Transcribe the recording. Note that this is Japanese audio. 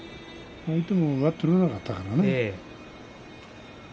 相手も上手が取れなかったからね。